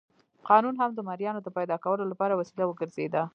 قانون هم د مریانو د پیدا کولو لپاره وسیله وګرځېده.